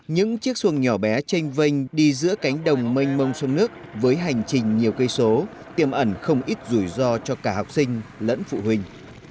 những chiếc xuồng nhỏ bé tranh vanh đi giữa cánh đồng mênh mông xuân nước với hành trình nhiều cây số tiêm ẩn không ít rủi ro cho cả học sinh lẫn phụ huynh